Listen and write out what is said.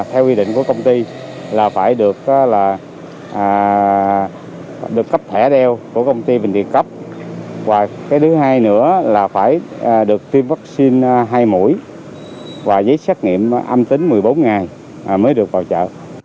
theo quy định của công ty là phải được cấp thẻ đeo của công ty bệnh viện cấp và cái thứ hai nữa là phải được tiêm vaccine hai mũi và giấy xét nghiệm âm tính một mươi bốn ngày mới được vào chợ